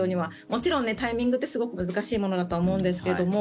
もちろんタイミングってすごく難しいものだとは思うんですけども。